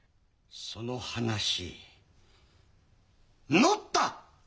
その話乗った！